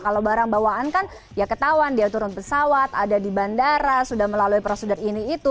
kalau barang bawaan kan ya ketahuan dia turun pesawat ada di bandara sudah melalui prosedur ini itu